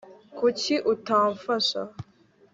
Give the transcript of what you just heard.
kuki utamfasha